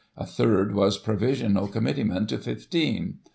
A third was Provisional Committee man to fifteen.